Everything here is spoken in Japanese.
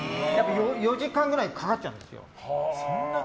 ４時間くらいかかっちゃうんですよ。